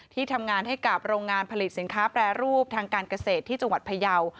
ที่ทำงานให้กับโรงงานผลิตสินค้าแปรรูปทางการเกษตรที่จังหวัดพยาว